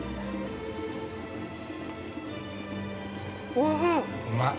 おいしい。